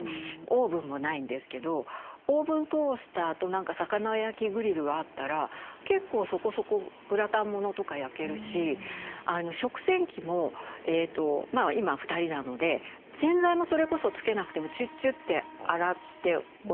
オーブンもないんですけどオーブントースターと魚焼きグリルがあったら結構そこそこグラタンものとか焼けるし食洗器も今は２人なので洗剤もそれこそつけなくてもチュッチュッて洗っておけるんですね。